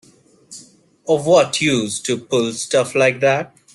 Of what use to pull stuff like that?